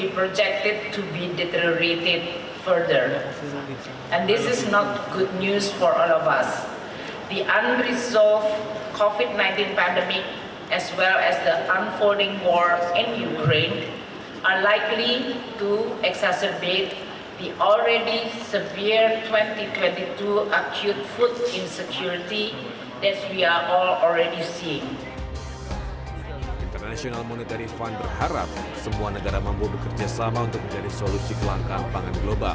pemerintah indonesia hingga saat ini masih bisa menekan dampak kelangkaan pangan global